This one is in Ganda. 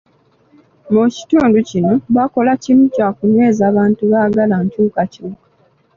Mu kitundu kino, bakola kimu kyakunyweza bantu baagala nkyukakyuka.